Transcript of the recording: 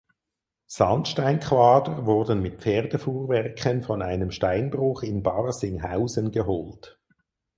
Sandsteinquader wurden mit Pferdefuhrwerken von einem Steinbruch in Barsinghausen geholt.